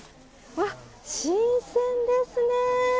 わっ、新鮮ですね。